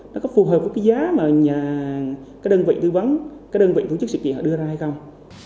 nó có phù hợp với giá mà đơn vị tư vấn đơn vị tổ chức sự kiện đưa ra hay không